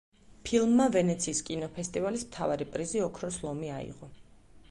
ფილმმა ვენეციის კინოფესტივალის მთავარი პრიზი, ოქროს ლომი აიღო.